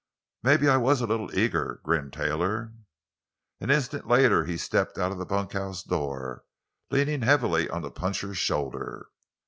"Maybe I was a little eager," grinned Taylor. An instant later he stepped out of the bunkhouse door, leaning heavily on the puncher's shoulder.